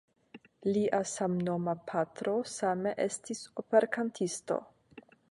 Lia samnoma patro same estis operkantisto.